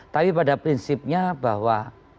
tapi pada prinsipnya bahwa